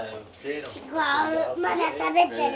違うまだ食べてる。